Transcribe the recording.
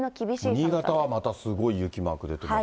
新潟はまたすごい雪マーク出てますね。